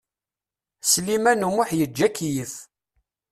Sliman U Muḥ yeǧǧa akeyyef.